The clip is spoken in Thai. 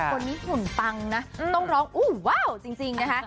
คนนี้หุ่นปังนะต้องร้องอุ้มว้าวจริงนะคะ